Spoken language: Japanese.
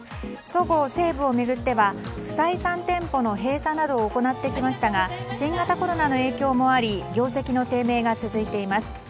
そごう・西武を巡っては不採算店舗の閉鎖などを行ってきましたが新型コロナの影響もあり業績の低迷が続いています。